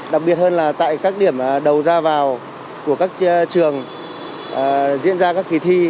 đặc biệt hơn là tại các điểm đầu ra vào của các trường diễn ra các kỳ thi